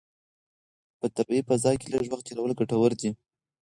په طبیعي فضا کې لږ وخت تېرول ګټور دي.